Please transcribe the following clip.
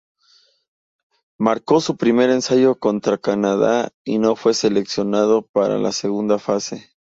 Marcó su primer ensayo contra Canadá y no fue seleccionado para la segunda fase.